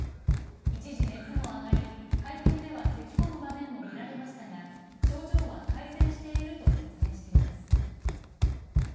一時、熱も上がり、会見ではせき込む場面も見られましたが症状は改善していると説明しています。